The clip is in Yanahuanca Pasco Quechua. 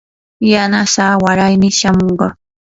yanasaa waraymi shamunqa.